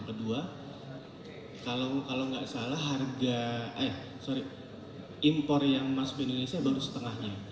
kedua kalau nggak salah impor yang masuk ke indonesia baru setengahnya